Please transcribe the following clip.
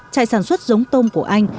chạy sản xuất giống tôm của anh